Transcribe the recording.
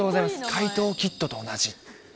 怪盗キッドと同じ。